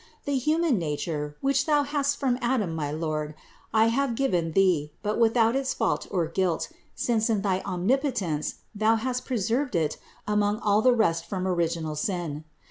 The human nature, which Thou hast from Adam, my Lord, I have given Thee, but without its fault or guilt; since in thy Omnipotence Thou hast preserved it among all the rest from original stain.